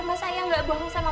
mas sakti mau ke mana